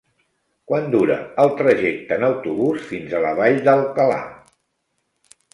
Quant dura el trajecte en autobús fins a la Vall d'Alcalà?